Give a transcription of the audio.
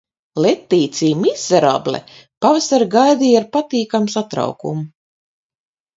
Letīcija Mizerable pavasari gaidīja ar patīkamu satraukumu.